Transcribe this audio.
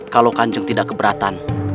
kalau kanjeng tidak keberatan